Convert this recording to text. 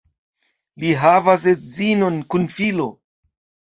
Li havas edzinon kun filo.